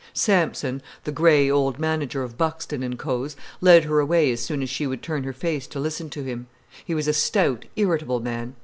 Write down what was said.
Sampson, the grey old manager of Buxton and Co's, led her away as soon as she would turn her face to listen to him. He was a stout, irritable man.